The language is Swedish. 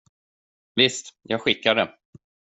Visst, jag skickar det.